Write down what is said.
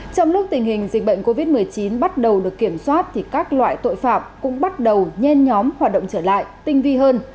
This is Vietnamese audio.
trong lúc tình hình dịch bệnh covid một mươi chín bắt đầu được kiểm soát thì các loại tội phạm cũng bắt đầu nhen nhóm hoạt động trở lại tinh vi hơn